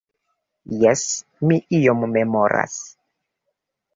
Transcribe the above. Jes, mi ion memoras.